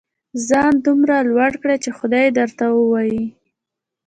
ځان دومره لوړ کړه چې خدای درته ووايي.